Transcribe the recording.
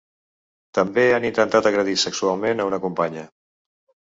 També han intentat agredir sexualment a una companya.